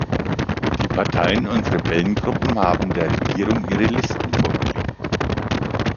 Die Parteien und Rebellengruppen haben der Regierung ihre Listen vorgelegt.